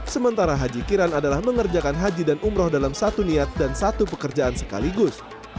sementara haji kiran adalah mengerjakan haji dan umroh dalam satu niat dan satu pekerjaan sekaligus